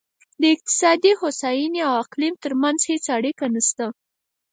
د اقتصادي هوساینې او اقلیم ترمنځ هېڅ اړیکه نشته.